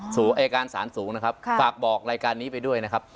อายการสารสูงนะครับฝากบอกรายการนี้ไปด้วยนะครับ